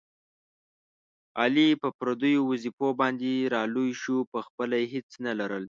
علي په پردیو وظېفو باندې را لوی شو، په خپله یې هېڅ نه لرل.